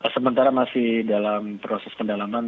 sementara masih dalam proses pendalaman